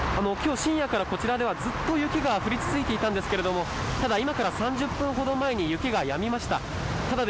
今日、深夜から、こちらではずっと雪が降り続いていたんですが今から３０分ほど前に雪がやみました。